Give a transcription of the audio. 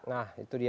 nah itu dia